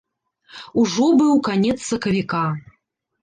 Ужо быў канец сакавіка.